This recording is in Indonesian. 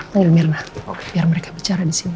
panggil mirna biar mereka bicara di sini